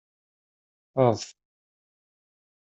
Adf!